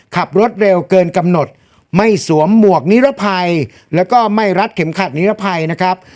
ขับรถเร็วเกินกำหนดไม่สวมหมวกนิรภัยแล้วก็ไม่รัดเข็มขัดนิรภัยนะครับ